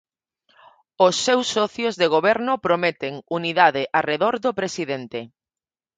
Os seus socios de Goberno prometen unidade arredor do presidente.